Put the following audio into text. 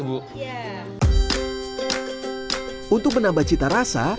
untuk menambah cita rasa